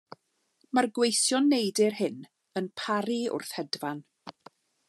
Mae'r gweision neidr hyn yn paru wrth hedfan.